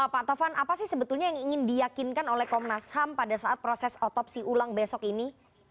pak tovan apa sih sebetulnya yang ingin diyakinkan oleh komnas ham pada saat proses otopsi ulang besok ini